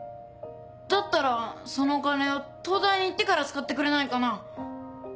だったらそのお金を東大に行ってから使ってくれないかな？